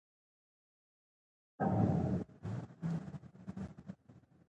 د سپینې واورې په څېر صفا نیت ولرئ.